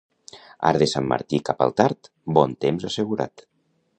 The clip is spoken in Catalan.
Arc de sant Martí cap al tard, bon temps assegurat.